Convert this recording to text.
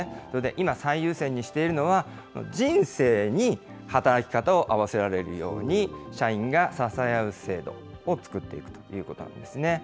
今、最優先にしているのは、人生に働き方を合わせられるように、社員が支え合う制度を作っているということなんですね。